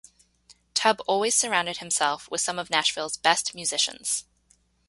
Tubb always surrounded himself with some of Nashville's best musicians.